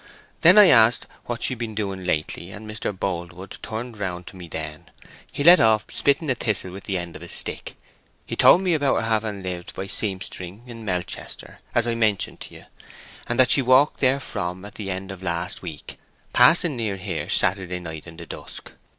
Then I asked what she'd been doing lately, and Mr. Boldwood turned round to me then, and left off spitting a thistle with the end of his stick. He told me about her having lived by seampstering in Melchester, as I mentioned to you, and that she walked therefrom at the end of last week, passing near here Saturday night in the dusk.